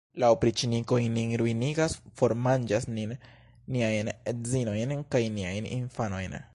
La opriĉnikoj nin ruinigas, formanĝas nin, niajn edzinojn kaj niajn infanojn!